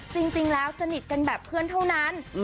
จริงแล้วสนิทกันแบบเพื่อนเท่านั้น